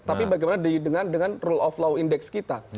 tapi bagaimana dengan rule of law index kita